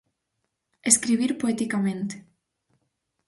Escribir poeticamente.